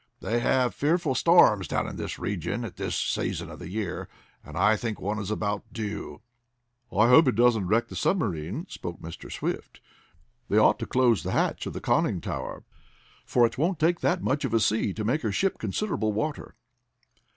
They have fearful storms down in this region at this season of the year, and I think one is about due." "I hope it doesn't wreck the submarine," spoke Mr. Swift. "They ought to close the hatch of the conning tower, for it won't take much of a sea to make her ship considerable water."